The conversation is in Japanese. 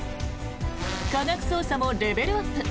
科学捜査もレベルアップ。